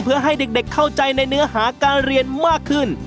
เพื่อให้เด็กเข้าใจในเนื้อหาการเรียนมากขึ้น